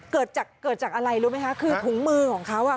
เกิดจากเกิดจากอะไรรู้ไหมคะคือถุงมือของเขาอ่ะ